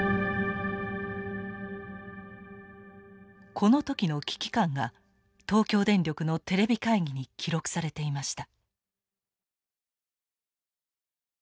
この時の危機感が東京電力のテレビ会議に記録されていました。